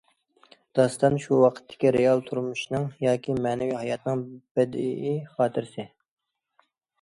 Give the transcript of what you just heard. داستان شۇ ۋاقىتتىكى رېئال تۇرمۇشنىڭ ياكى مەنىۋى ھاياتنىڭ بەدىئىي خاتىرىسى.